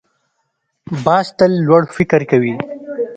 باز تل لوړ فکر کوي